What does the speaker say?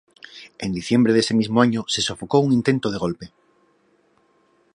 En diciembre de ese mismo año se sofocó un intento de golpe.